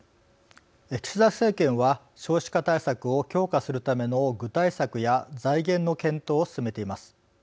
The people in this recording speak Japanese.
岸田政権は少子化対策を強化するための具体策や財源の検討を進めています。